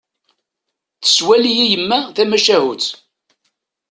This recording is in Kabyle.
Tsawel-iyi yemma tamacahut.